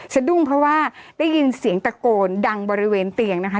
สะดุ้งเพราะว่าได้ยินเสียงตะโกนดังบริเวณเตียงนะคะ